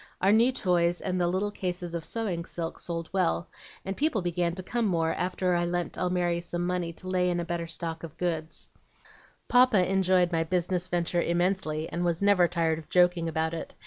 Our new toys and the little cases of sewing silk sold well, and people began to come more, after I lent Almiry some money to lay in a stock of better goods. Papa enjoyed my business venture immensely, and was never tired of joking about it.